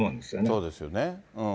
そうですよね。